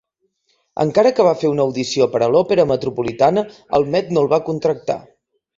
Encara que va fer una audició per a l'Òpera Metropolitana, el Met no el va contractar.